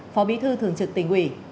phó bí thư thường trực tỉnh ủy